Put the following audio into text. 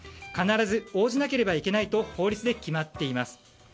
必ず応じなければいけないと法律で決まっています。